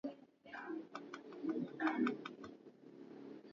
thamani ya euro bilioni moja nukta kumi na saba